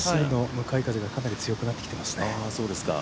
向かい風がかなり強くなってきてますね。